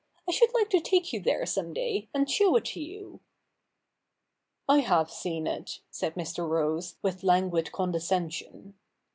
I should like to take you there some day, and show it to you.' ' I have seen it," said ^Ir. Rose, with languid con descension.